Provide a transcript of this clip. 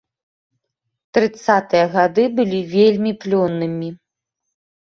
Трыццатыя гады былі вельмі плённымі.